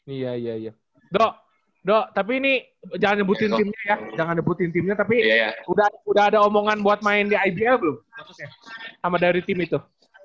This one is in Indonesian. iya iya iya dok dok tapi ini jangan nyebutin timnya ya jangan nyebutin timnya tapi udah ada omongan buat main di ibl belum sama dari tim itu